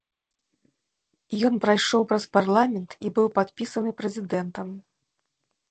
Ён прайшоў праз парламент і быў падпісаны прэзідэнтам.